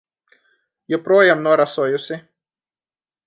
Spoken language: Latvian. Joprojām norasojusi.